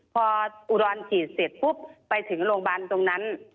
พออุดรฉีดเสร็จปุ๊บไปถึงโรงพยาบาลตรงนั้น